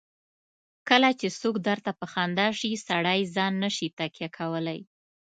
کله چې څوک درته په خندا شي سړی ځان نه شي تکیه کولای.